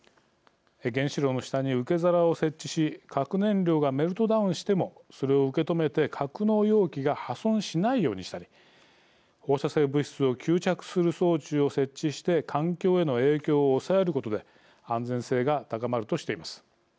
原子炉の下に受け皿を設置し核燃料がメルトダウンしてもそれを受け止めて格納容器が破損しないようにしたり放射性物質を吸着する装置を設置して環境への影響を抑えることで安全性が高まるとしています。